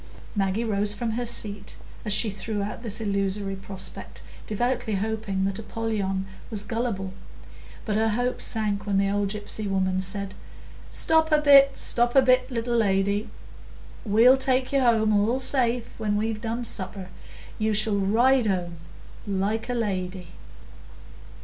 Maggie rose from her seat as she threw out this illusory prospect, devoutly hoping that Apollyon was gullible; but her hope sank when the old gypsy woman said, "Stop a bit, stop a bit, little lady; we'll take you home, all safe, when we've done supper; you shall ride home, like a lady."